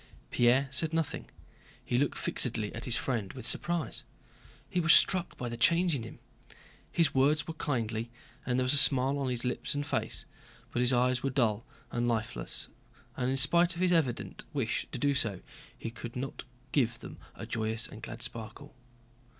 Pierre said nothing; he looked fixedly at his friend with surprise. He was struck by the change in him. His words were kindly and there was a smile on his lips and face, but his eyes were dull and lifeless and in spite of his evident wish to do so he could not give them a joyous and glad sparkle.